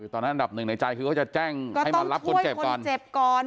ตอนนั้นอันดับหนึ่งในใจคือเขาจะแจ้งให้มารับคนเจ็บก่อนก็ต้องช่วยคนเจ็บก่อน